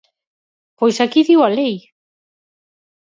Pois aquí dio a lei.